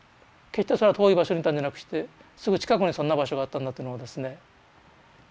決してそれは遠い場所にいたんじゃなくしてすぐ近くにそんな場所があったんだっていうのがですね。